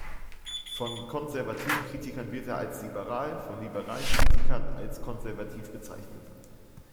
Von konservativen Kritikern wird er als liberal, von liberalen Kritikern als konservativ bezeichnet.